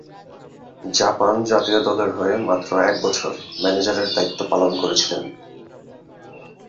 Japan জাতীয় দলের হয়ে মাত্র এক বছর ম্যানেজারের দায়িত্ব পালন করেছিলেন।